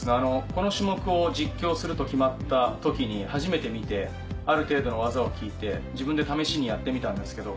この種目を実況すると決まった時に初めて見てある程度の技を聞いて自分で試しにやってみたんですけど